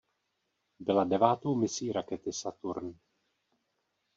Byla devátou misí rakety Saturn.